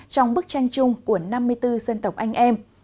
trong bức tranh chung của năm mươi bốn dân tộc anh em